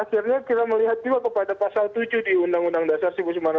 akhirnya kita melihat juga kepada pasal tujuh di undang undang dasar seribu sembilan ratus empat puluh lima